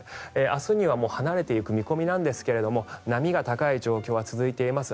明日にはもう離れていく見込みなんですが波が高い状況は続いています。